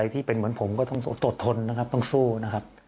ที่เป็นเหมือนผมก็ต้องอดทนนะครับต้องสู้นะครับ